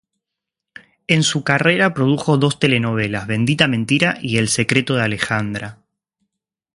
En su carrera produjo dos telenovelas Bendita mentira y El secreto de Alejandra.